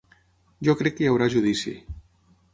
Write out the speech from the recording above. Jo crec que hi haurà judici.